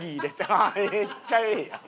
あっめっちゃええやん。